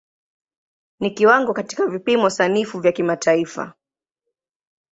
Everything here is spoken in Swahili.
Ni kiwango katika vipimo sanifu vya kimataifa.